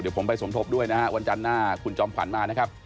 เดี๋ยวผมไปสมทบด้วยนะฮะวันจันทร์หน้าคุณจอมขวัญมานะครับ